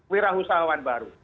wira usahawan baru